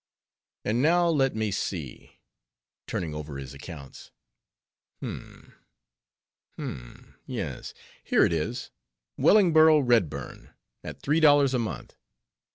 And now, let me see," turning over his accounts— "Hum, hum!—yes, here it is: Wellingborough Redburn, at three dollars a month.